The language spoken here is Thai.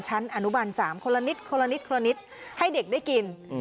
ชั้นอนุบัน๓คนละนิดให้เด็กได้กิน